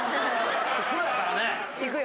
・プロやからね・いくよ。